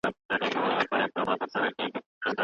ميرمن د خاوند د نظر څخه مخالف نظر هم وړاندي کولای سي.